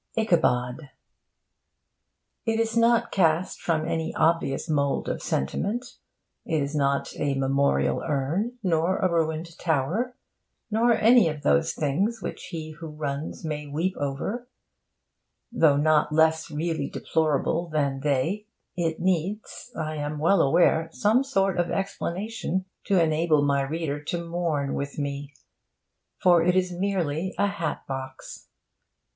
ICHABOD It is not cast from any obvious mould of sentiment. It is not a memorial urn, nor a ruined tower, nor any of those things which he who runs may weep over. Though not less really deplorable than they, it needs, I am well aware, some sort of explanation to enable my reader to mourn with me. For it is merely a hat box.